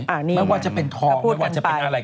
ไม่ว่าจะเป็นทองไม่ว่าจะเป็นอะไร